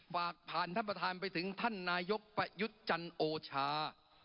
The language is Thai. ฝากผ่านท่านประธานไปถึงท่านนายกประยุทธ์จันโอชา